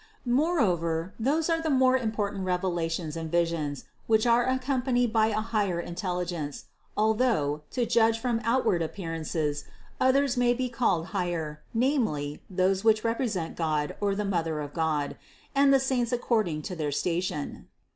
Moreover those are the more important revelation and visions, which are accompanied by a higher intelligence, although, to judge from outward appear ances, others may be called higher, namely, those which represent God or the Mother of God, and the saints ac cording to their station.